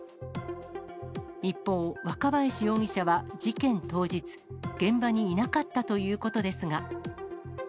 一方、若林容疑者は事件当日、現場にいなかったということですが。